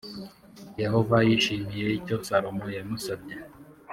yehova yishimiye icyo salomo yamusabye .